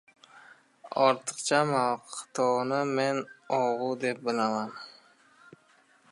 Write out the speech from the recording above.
Ortiqcha maqtovni men og‘U deb bilaman.